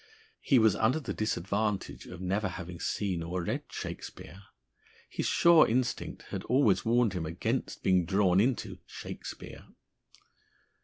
He was under the disadvantage of never having seen or read "Shakespeare." His sure instinct had always warned him against being drawn into "Shakespeare."